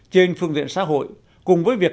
trên phương diện xã hội cùng với việc